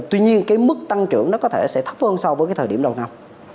tuy nhiên cái mức tăng trưởng nó có thể sẽ thấp hơn so với cái thời điểm đầu năm